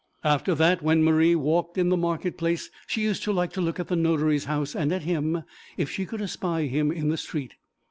After that, when Marie walked in the market place, she used to like to look at the notary's house, and at him, if she could espy him in the street.